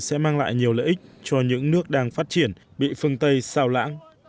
sẽ mang lại nhiều lợi ích cho những nước đang phát triển bị phương tây sao lãng